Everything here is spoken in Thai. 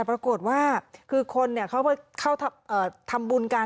ปรากฏว่าคนเข้าทำบุญการ